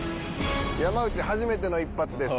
山内初めての一発です。